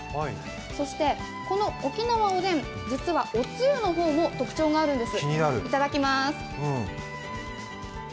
そしてこの沖縄おでん、実はおつゆの方も特徴があるんです。